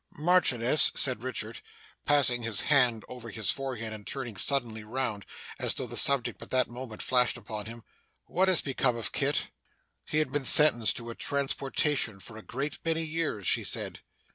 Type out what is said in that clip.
'Marchioness,' said Richard, passing his hand over his forehead and turning suddenly round, as though the subject but that moment flashed upon him, 'what has become of Kit?' He had been sentenced to transportation for a great many years, she said.